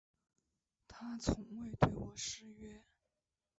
他从未对我失约